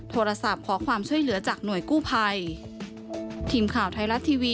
โทรศัพท์ขอความช่วยเหลือจากหน่วยกู้ภัย